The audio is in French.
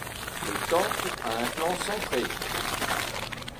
Le temple a un plan centré.